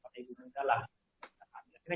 pada ibu menjelaskan